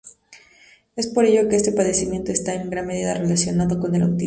Es por ello que este padecimiento está en gran medida relacionado con el autismo.